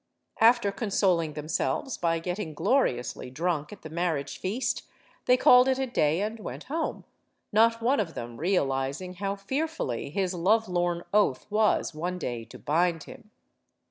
After consoling themselves by getting gloriously drunk at the marriage feast, they called it a day, and went home; not one of them realiz ing how fearfully his lovelorn oath was one day to bind him.